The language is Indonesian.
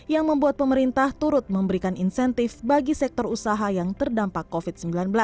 yang membuat pemerintah turut memberikan insentif bagi sektor usaha yang terdampak covid sembilan belas